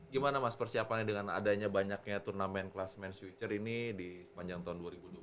gimana mas persiapannya dengan adanya banyaknya turnamen kelas man future ini di sepanjang tahun dua ribu dua puluh